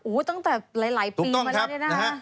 ตั้งแต่หลายปีมาแล้วเนี่ยนะคะ